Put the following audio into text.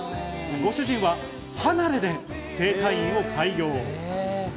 ご主人は離れで整体院を開業。